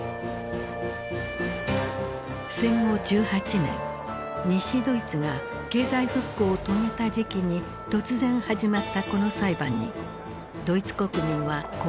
戦後１８年西ドイツが経済復興を遂げた時期に突然始まったこの裁判にドイツ国民は困惑した。